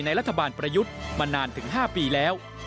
รัฐบาลประยุทธ์มานานถึง๕ปีแล้ว